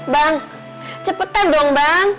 bang cepetan dong bang